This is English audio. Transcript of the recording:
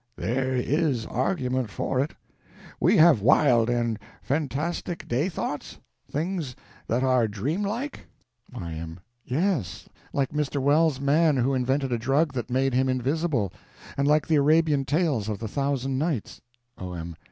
There is argument for it. We have wild and fantastic day thoughts? Things that are dream like? Y.M. Yes—like Mr. Wells's man who invented a drug that made him invisible; and like the Arabian tales of the Thousand Nights. O.M.